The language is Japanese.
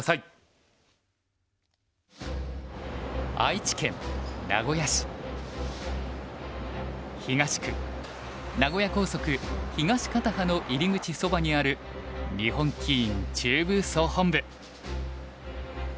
愛知県名古屋市東区名古屋高速東片端の入口そばにある日本棋院中部総本部。